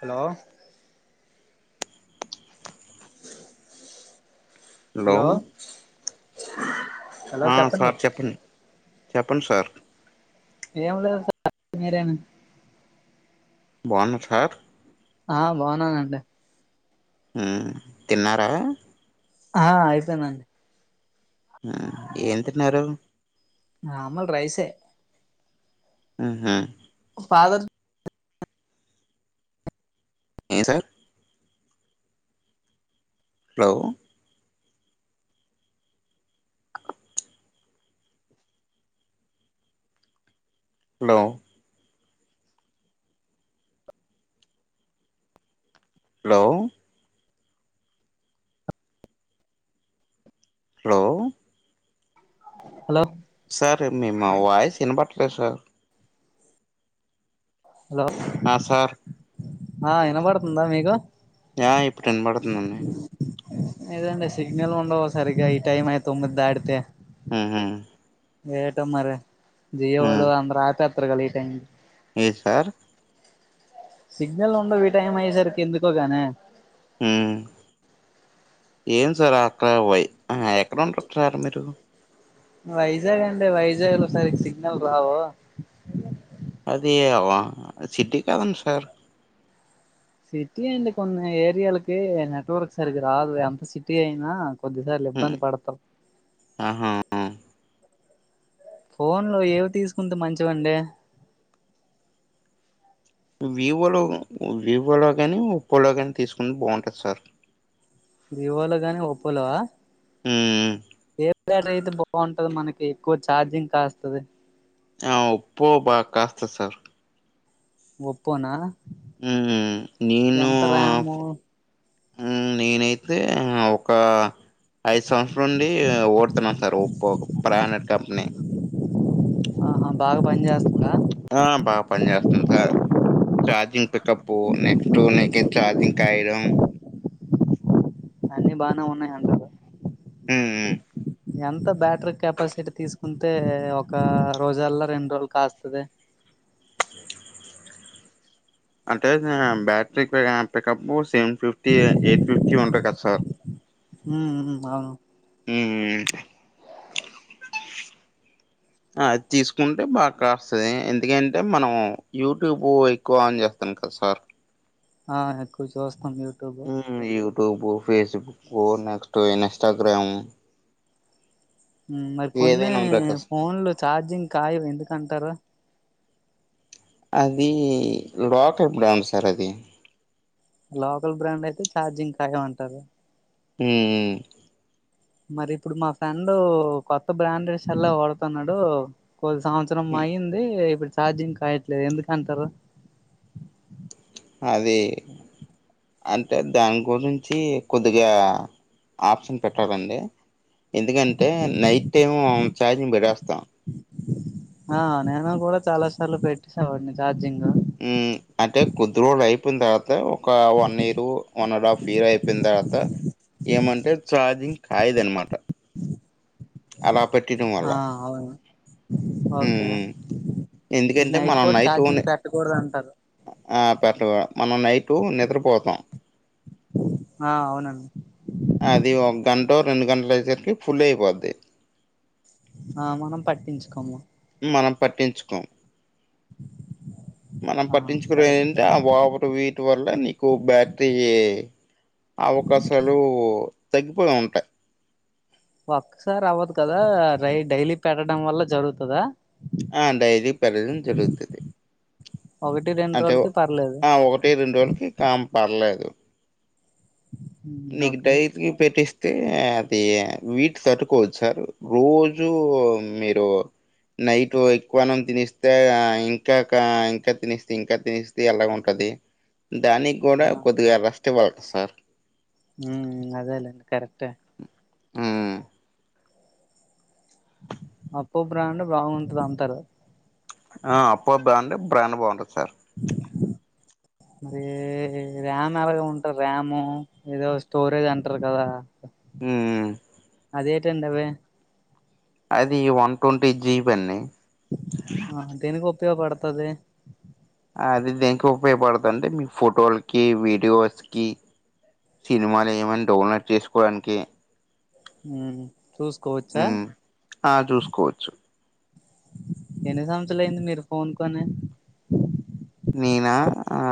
Hello hello sir చెప్పండి చెప్పండి sir ఏం లేదు సార్ చెప్పండి మీరే బావున్నాం సార్ ఆ బాగునానండి ఉ తిన్నారా ఆ అయిపోయిందండి ఆ ఏం తిన్నారు నార్మల్ రైసే ఆహ ఫాదర్ ఏ సార్ హలో కు hello hello hello hello sir మీ మా వాయిస్ ఇనపట్లేదు సార్ హలో ఆసార్ ఆ ఇనబడుతుందా మీకు యా ఇప్పుడు ఇనపడుతుందండి ఇదండి సిగ్నల్ ఉండవు సరిగ్గా ఈ టైమ్ అయి తొమ్మిది దాడితే ఊహు ఏటో మరి జియోలో అందరు ఆపేత్తర్ కాల ఈ టైం ఏద్ సార్ సిగ్నల్ ఉండవు ఈ టైం అయేసరికి ఎందుకో గానే ఊ ఏం సార్ అక్కడ వై ఆ ఎక్కడ ఉంటారు సార్ మీరు వైజాగ్ అండి వైజాగ్ లో సరిగ సిగ్నల్ రావు అది అవ సిటీ కదండి సార్ సిటీయే అండి కొన్ని ఏరియాలకి నెట్వర్క్ సరిగ్గ రాదు ఎంత సిటీ అయినా కొద్దిసార్లు ఉమ్, ఇబ్బంది పడతావ్ ఆహా ఫోన్లు ఏవి తీసుకుంటే మంచివండి వివోలో వివోలో కానీ ఒప్పోలో కానీ తీసుకుంటే బావుంటది సార్ వివోలో గానీ ఒప్పోలో ఆ ఊ ఏర్ బ్యాటరీ అయితే బాగుంటది మనకి ఎక్కువ ఛార్జింగ్ కాస్తది ఆ ఒప్పో బాగా కాస్తది సార్ ఒప్పో నా ఊ నేను ర్యాము ఊ నేనైతే ఒక ఐదు సంవత్సరం నుండి ఓడుతున్నాన్ సార్ ఒప్పో బ్రాండెడ్ కంపెనీ ఆహా బాగా పని చేస్తుంద ఆ బాగా పని చేస్తుంది సార్ ఛార్జింగ్ పికపూ నెక్స్ట్ నీకే ఛార్జింగ్ కాయిరం అన్ని బానే ఉన్నాయ్ అంటారు ఊ ఊ ఎంత బ్యాటరీ కెపాసిటీ తీసుకుంటే ఒక రోజల్లా రెండు రోజులు కాస్తది అంటే బ్యాటరీ పిక pickup seven fifty eight fifty ఉంటది కదా సార్ ఊ ఉహూ అవును ఊ అది తీసుకుంటే బాగా కాస్తది ఎందుకంటే మనం యూట్యూబ్ ఎక్కువ ఆన్ చేస్తాం కద్ సార్ ఆ ఎక్కువ చూస్తాం యూట్యూబు ఊ యూట్యూబు ఫేస్బుక్ నెక్స్ట్ ఇన్స్టాగ్రామ్ ఊమ్ మరి కొన్నే ఏదైనా ఉంటది కదా సార్. ఫోన్లు చార్జింగ్ కాయవు ఎందుకంటారు అది లోకల్ బ్రాండ్ సార్ అది లోకల్ బ్రాండ్ అయితే ఛార్జింగ్ కాయ అంటరు ఉ ఊ మరి ఇప్పుడు మా ఫ్రెండ కొత్త బ్రాండెడ్ సెల్లె వాడుతున్నాడు కొని సంవత్సరం ఉమ్, అయ్యింది ఇప్పుడు ఛార్జింగ్ కాయట్లేదు ఎందుకు అంటారు అది అంటే దాని గురించి కొద్దిగ ఆఫ్ చేసి పెట్టాలండి ఎందుకంటే నైట్ టైం చార్జింగ్ పెట్టేస్తాం ఆ నేను కూడ చాలా సార్లు పెట్టేసేవాడిని చార్జింగ్ ఉ అంటే కొద్ది రోజులు అయి పోయిన తర్వాత ఒక one year one and half year అయిపోయిన్ తర్వాత ఏమంటే ఛార్జింగ్ కాయదు అనమాట అలా పెట్టిన వల్ల ఆ ఓకే ఉమ్, అది ఎందుకంటే నైట్ మనం పోట్ ఓన్ ఛార్జింగ్ పెట్టకూడదు అంటారు ఆ పెట్టకు మనం నైట్ నిద్రపోతాం ఆ అవునండి అది ఒక గంట రెండు గంటలు అయ్యేసరికి ఫుల్ అయిపోద్ది ఆ మనం పట్టించుకోము మనం పట్టించుకోం మనం ఆ పట్టించుకునేవి ఉంటే కరెక్టే అవి ఓవర్ వి టివల్ లో నీకు బ్యాటరీ అవకాశాలు తగ్గిపోయి ఉంటాయి ఒక్కసారి అవ్వదు కదా డైలీ పెట్టడం వల్ల జరుగుతదా ఆ డైరీ పెట్టడం జరుగుతుంది ఒకటి రెండు అంటే రోజులకి పర్లేదు ఆ ఒకటి రెండు రోజులకి కామ్ పర్లేదు ఉమ్, ఓకే నీకుడై [unintelligible] పెట్టిస్ తే అది హీట్ తట్టుకోవచ్చు సార్ రోజూ మీరు నైట్ ఎక్కువ అన్నం తినిస్తే ఇంకా కా తినెస్తే ఇంకా తినిస్తే ఎలా ఉంటది దానికి కూడ ఆ, కొద్దిగ రస్ట్ ఇవ్వాలి సార్ హు అదేలే కరక్ట్టె హు అప్ పో బ్రాండ్ బాగుంటది అంటారు ఆ అప్ప బాండ్ బ్రాండ్ బాగుంటది సార్ మరి ర్యామ్ ఎలాగ ఉంటారు ర్యాము ఏదో స్టోరేజ్ అంటరు కదా హు అదేటండి అవే అది వన్ ట్వంటీ జీబి అండి ఆ దేనికి ఉపయోగపడుతది అది దేనికో ఉపయోగపడుతుంది అండి మీ ఫోటోలకి వీడియోస్ కి సినిమాలు ఏమైన డౌన్లోడ్ చేసుకోవడానికి ఉ చూసుకోవచ్చ హ్మ్ ఆ చూసుకోవచ్చు ఎన్ని సంవత్సరాలు అయింది మీరు ఫోన్ కొని నేన ఆ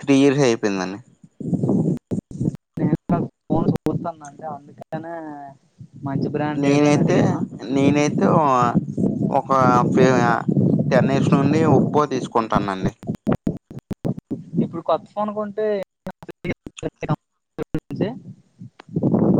త్రీ ఇయర్స్ అయిపోయిందండి నేను ఫోన్ చూస్తాను అంటే అందుకనే మంచి బ్రాండ్ ఏదని అడిగినా నేనైతోవా ఒక ఫి ద్గా టెన్ ఇయర్స్ నుండి ఉప్పో తీసుకుంటానండి ఇప్పుడు కొత్త ఫోన్ కొంటే [inaudible]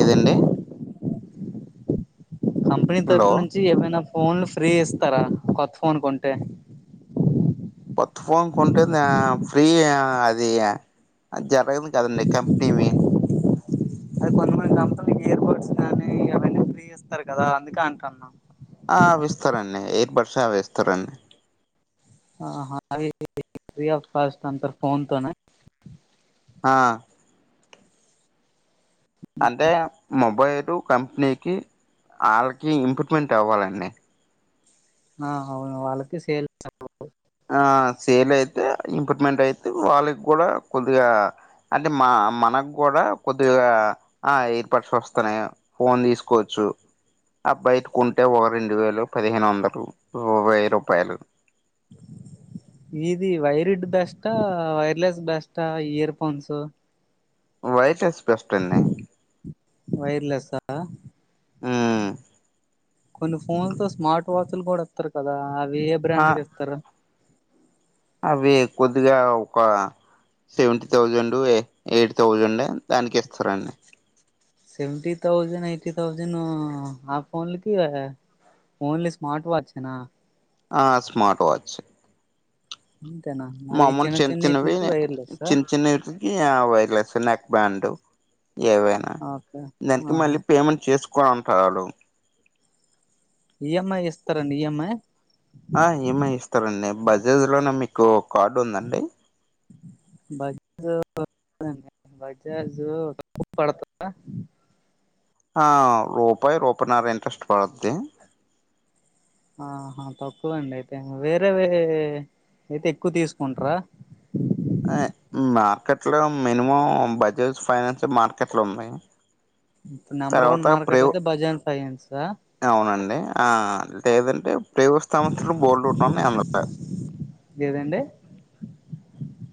ఏదండి కంపెనీ హలో తరపు నుంచి ఏమైనా ఫోన్లు ఫ్రీ ఇస్తారా కొత్త ఫోన్ కొంటే కొత్త ఫోన్ కొంటే నా ఫ్రీ యా అది య అద్ జరగని కదండీ కంపినీవి అది కొంతమంది [inaudible] ఇయర్ బర్డ్స్ గానీ అవన్నీ ఫ్రీ ఇస్తారు కదా అందుకే అంటన్నా ఆ విస్తా రండి ఎయిర్ బర్డ్స్ అవిస్తారండి అహా అవి ఫ్రీ ఆఫ్ కాస్ట్ అంతర్ ఫోన్ తోన అ అంటే మొబైలు కంపెనీకి ఆళ్ళకి ఇంప్రూవ్మెంట్ అవ్వాలండి అ హవును వాళ్ళకి సేల్ ఆ సేల్ అయితే ఇంప్రూవ్మెంట్ అయితే వాళ్ళగ్గూడా కొద్దిగా అంటే మా మనగ్గూడా కొద్దిగాఆ ఎయిర్పాట్స్ ఒస్తున్నయ ఫోన్ తీసుకోచ్చు అ బయట్ కుంటె ఓ రెండు వేలు పదిహేనోందలు ఓ వెయ్యి రూపాయలు ఈది వైర్డ్ బెస్టా వైర్లెస్ బెస్టా ఇయర్ ఫోన్సు వైటెస్ బెస్టండి వైర్లెస్సా అ ఊమ్ కొన్ని ఫోన్స్ తొ స్మార్ట్ వాచ్లు గూడ్ ఇత్తరు కదా అవే ఆ బ్రాండ్ కిస్తరు అవి కొద్దిగా ఒక సెవెంటీ థౌజండు ఎ ఎయిట్ థౌజండ్ దానికిస్తరండి సెవెంటీ థౌజన్ ఎయిటీ థౌజనూ ఆ ఫోన్లకివా ఓన్లీ స్మార్ట్ వాచ్ ఎనా ఆ స్మార్ట్ వాచ్ ఇంతేనా మామ్ముల్ చిన్ చిన్నవి చిన్ చిన్నెట్ వి యా వైర్లెస్ నెక్ బ్యాండ్ ఏవైనా ఓకే దనికి ఆహా మళ్ళీ పేమెంట్ చేస్ కోంటాడు ఈఎంఐ ఇస్తరండి ఈఎంఐ అ ఈఎంఐ ఇస్తరండి బజాజ్ లోన మీకో కార్డు ఉందండి బజ్జు బజాజు పడత ఆ రూపాయి రూపాయన్నర ఇంట్రెస్ట్ పడుద్ది ఆహా తక్కువండి అయితే వేరేవీ అయితే ఎక్కువ్ తీసుకుంట్రా అయ్ మార్కెట్లో మినిమం బజాజ్ ఫైనాన్స్ మార్కెట్లున్నాయి ఉ నెంబర్ వన్ మార్కెట్ అయితే బజాన్ ఫైనన్సా అవునండి ఆ తేదంటే [unintelligible] ఏదండి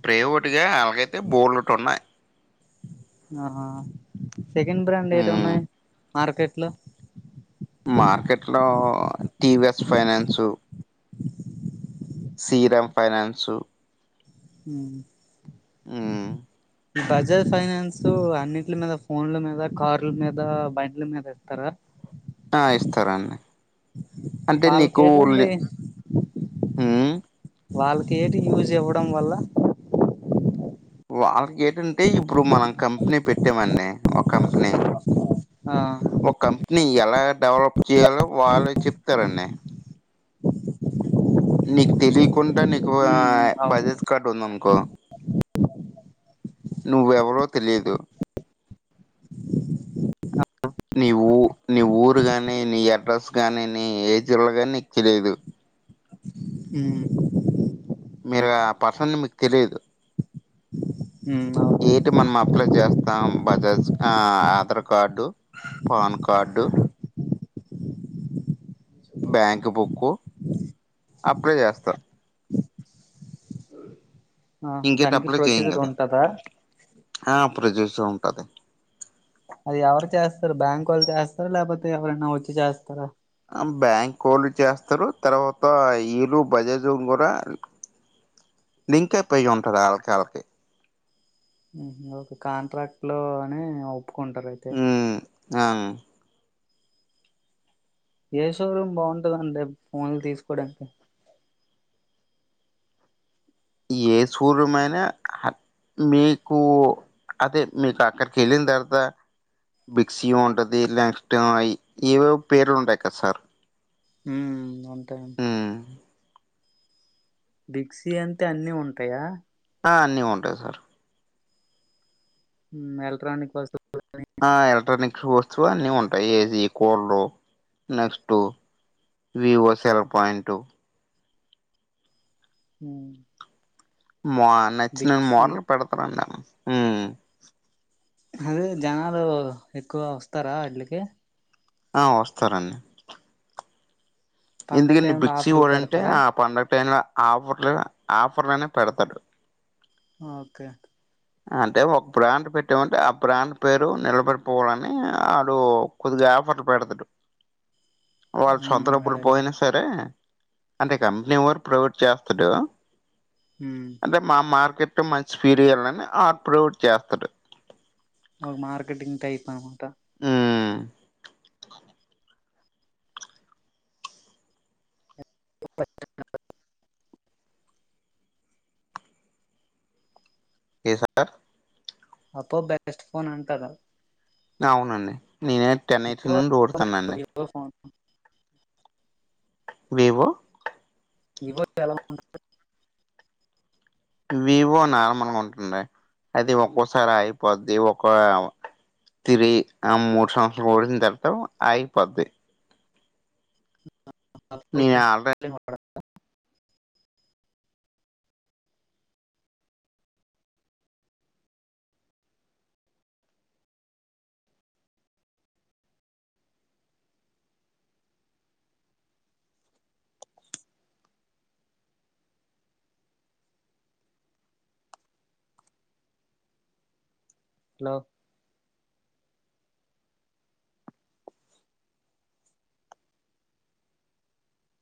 ప్రేవేటుగా అలాగైతే బోలెటున్నాయ్ ఆహా సెకండ్ బ్రాండ్ ఉమ్ ఏటున్నాయ్ మార్కెట్ లో మార్కెట్ లో టీవెస్ ఫైనాన్సు సీరమ్ ఫైనాన్సు ఉహ్ ఉమ్ బజాజ్ ఫైనాన్సు అన్నిట్లా మీద ఫోన్ల మీద కార్ల మీద బండ్ల మీద ఇస్తారా ఆ ఇస్తారాండి అంటే వాళ్ళకి నీకు ఏటండి ఉమ్ వాళ్ళకి ఏటి యూజ్ ఇవ్వడం వల్ల వాళ్ళకి ఏటంటే ఇప్పుడు మనం కంపెనీ పెట్టామండి ఒక కంపెనీ ఆ ఒక కంపెనీ ఎలా డెవలప్ చేయాలో వాళ్ళు చెప్తారండి నీకు తెలియకుండా నీకు ఉమ్ ఉమ్ అవును బజాజ్ కార్డ్ ఉంది అనుకో నువ్వు ఎవరో తెలియదు నీ ఊ నీ ఊరు గాని నీ అడ్రస్ గాని నీ ఏ జిల్లా గాని నీకు తెలీదు ఉం మీరు ఆ పర్సన్ని మీకు తెలియదు ఉం ఆవు ఏటి మనం అప్లై చేస్తాం బజాజ్ ఆ Aadhaar card PAN card bank book apply చేస్తారు ఆ ఇంకేటి దానికి అప్లై చేయం ప్రొసీజర్ కదా ఉంటదా ఆ ప్రొసీజర్ ఉంటది అది ఎవరు చేస్తారు బ్యాంకోళ్ళు చేస్తారా లేకపోతే ఎవరైనా వచ్చి చేస్తారా ఆ బ్యాంక్ కోళ్ళు చేస్తారు తర్వాత వీళ్ళు బజాజ్ కూడా లింకప్ ఐ వుంటది ఆళ్ళ ఆళ్ళకి ఓ కాంట్రాక్ట్ లో అని ఒప్పుకుంటారు అయితే ఉమ్ ఆ ఏ షోరూమ్ బావుంటదండి ఫోన్లు తీసుకోడానికి ఏ షోరూమ్ అయినా హా మీకు అదే మీకు అక్కడికి వెళ్ళిన తర్వాత బిక్సీ ఉంటంది ల్యాంస్ట్యి [unintelligible] ఐ ఇవే పేర్లు ఉంటాయి కదా సార్ ఉం ఉంటాయి ఉం బిగ్ సి అంటే అన్నీ ఉంటాయా ఆ అన్నీ ఉంటాయి సార్ ఉమ్ ఎలెక్ట్రాన్నిక్ వస్తు ఆ ఎలక్ట్రానిక్స్ వస్తువు అన్ని ఉంటాయి AC cooler next Vivo cell point ఉమ్ మా నచ్చిన మోడల్ పెడతారు అండీ నేను ఉం అదే జనాలు ఎక్కువ వస్తారా వాట్లుకి ఆ వస్తారండి పండగ ఎందుకండి టైమ్ లో బిక్సీ ఆఫర్లు వాడు అంటే పెడతారా ఆ పండుగ టైమ్ లా ఆఫర్లు ఆఫర్లనే పెడతాడు ఓకే అంటే ఒక బ్రాండ్ పెట్టామంటే ఆ బ్రాండ్ పేరు నిలబెడిపోవాలని ఆడు కొద్దిగా ఆఫర్లు పెడతాడు వాళ్ళ సొంత ఉమ్, డబ్బులు అదేలే పోయిన సరే అంటే కంపెనీ వాడు ప్రొవైడ్ చేస్తాడు ఉం అంటే మా మార్కెట్లో మంచి ఫీరియాలని అప్రూవల్ చేస్తారు ఓ మార్కెటింగ్ టైప్ ఆ అంతా ఊ [inaudible] ఏ sir Oppo the best phone అంటార? అవునండి నేనే టెన్ ఎయిట్ వివో నుండి ఉడుత్తనండి ఫోన్ వివో ఇవడ్ చాల ఉండ వివో నార్మల్గా ఉంటుంది అది ఒక్కోసారి అయిపోద్ది ఒక్కో తిరిగి ఆ మూడు సంవత్సరం ఓడింది తరత ఆగిపోద్ది తప్ప నేను ఆల్రెడీ హలో హు అంది హలో